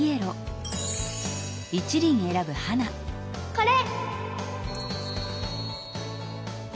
これ！